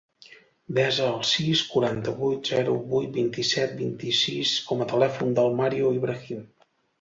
Desa el sis, quaranta-vuit, zero, vuit, vint-i-set, vint-i-sis com a telèfon del Mario Ibrahim.